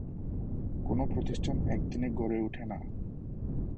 কোন প্রতিষ্ঠান একদিনে গড়ে উঠে না।